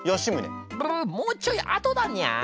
もうちょいあとだにゃー。